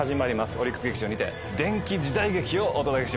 オリックス劇場にて伝奇時代劇をお届けします。